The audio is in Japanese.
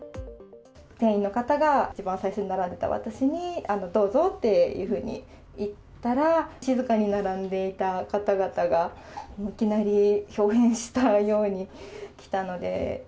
店員の方が一番最初に並んでた私に、どうぞっていうふうに言ったら、静かに並んでいた方々が、いきなりひょう変したように来たので。